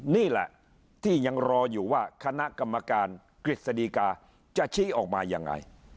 นี่แหละที่ยังรออยู่ว่าคณะกรรมการกฤษฎีกาจะชี้ออกมายังไง